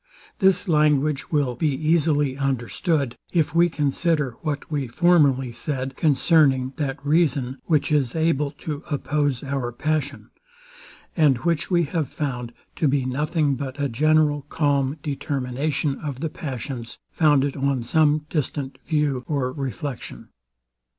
This language will be easily understood, if we consider what we formerly said concerning that reason, which is able to oppose our passion; and which we have found to be nothing but a general calm determination of the passions, founded on some distant view or reflection.